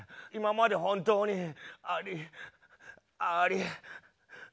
今まで本当にありあり。